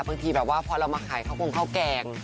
บางทีแบบว่าพอเรามาขายคงเขาแกง